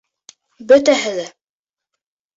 Бөтәһе лә.